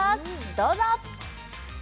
どうぞ！